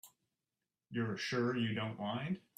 You're sure you don't mind?